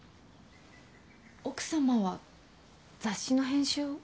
奥様は雑誌の編集を？